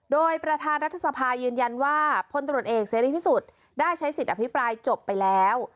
โดยประธานรัฐสภายืนยันว่าพลตรวจเอกเสรีพิสุทธิ์ได้ใช้สิทธิ์อภิปรายจบไปแล้ว